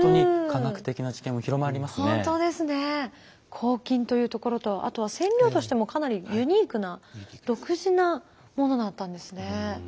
抗菌というところとあとは染料としてもかなりユニークな独自なものだったんですね。